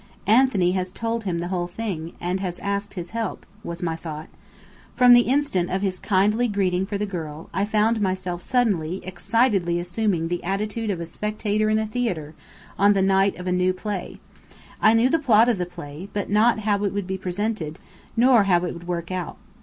"Anthony has told him the whole thing, and asked his help," was my thought. From the instant of his kindly greeting for the girl, I found myself suddenly, excitedly assuming the attitude of a spectator in a theatre, on the night of a new play. I knew the plot of the play, but not how it would be presented, nor how it would work out.